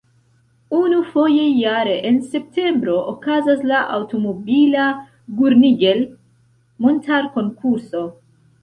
Unu foje jare en septembro okazas la aŭtomobila Gurnigel-Montarkonkurso.